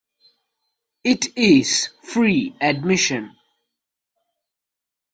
It is free admission.